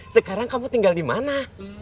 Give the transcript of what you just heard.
sekarang kamu tinggal di mana